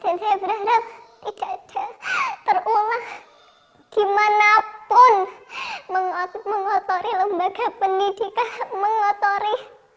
dan hebrahrap tidak ada terulang dimanapun mengotori lembaga pendidikan mengotori